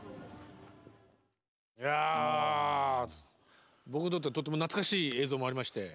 いや僕にとってはとっても懐かしい映像もありまして。